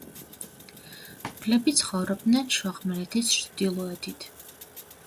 მგლები ცხოვრობდნენ შუახმელეთის ჩრდილოეთით.